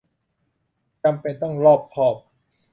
จำเป็นต้องรอบคอบ